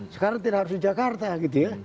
sekarang tidak harus di jakarta gitu ya